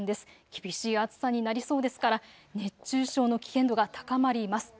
厳しい暑さになりそうですから、熱中症の危険度が高まります。